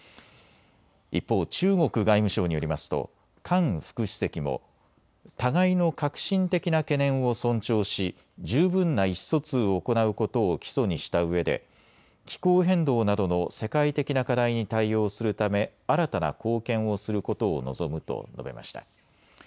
一方、中国外務省によりますと韓副主席も互いの核心的な懸念を尊重し十分な意思疎通を行うことを基礎にしたうえで気候変動などの世界的な課題に対応するため新たな貢献をすることを望むと述べました。